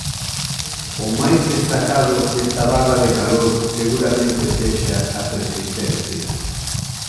O máis destacado desta vaga de calor seguramente sexa a persistencia.